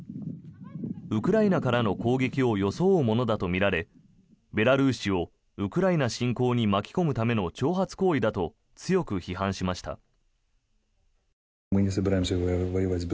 ウクライナからの攻撃を装うものだとみられベラルーシをウクライナ侵攻に巻き込むための挑発行為だと強く批判しました。